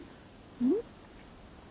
うん？